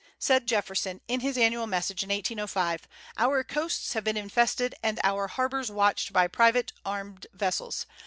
Said Jefferson, in his annual message in 1805: "Our coasts have been infested and our harbors watched by private armed vessels.